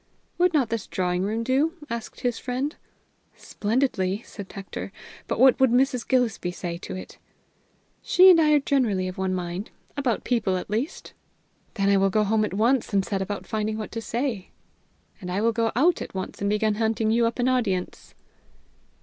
"Would not this drawing room do?" asked his friend. "Splendidly!" answered Hector. "But what will Mrs. Gillespie say to it?" "She and I are generally of one mind about people, at least." "Then I will go home at once and set about finding what to say." "And I will go out at once and begin hunting you up an audience."